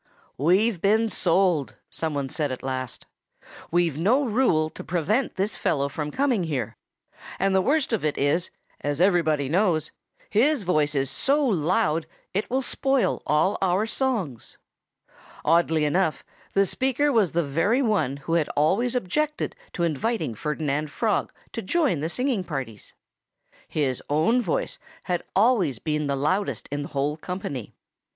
"We've been sold," some one said at last. "We've no rule to prevent this fellow from coming here. And the worst of it is, as everybody knows, his voice is so loud it will spoil all our songs." Oddly enough, the speaker was the very one who had always objected to inviting Ferdinand Frog to join the singing parties. His own voice had always been the loudest in the whole company.